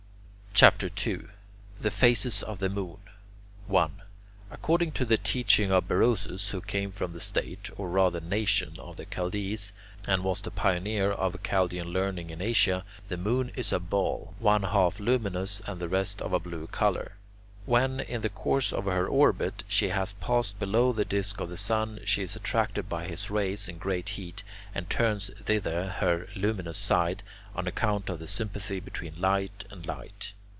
CHAPTER II THE PHASES OF THE MOON 1. According to the teaching of Berosus, who came from the state, or rather nation, of the Chaldees, and was the pioneer of Chaldean learning in Asia, the moon is a ball, one half luminous and the rest of a blue colour. When, in the course of her orbit, she has passed below the disc of the sun, she is attracted by his rays and great heat, and turns thither her luminous side, on account of the sympathy between light and light.